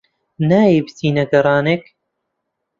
نایەی بچینە گەڕانێک؟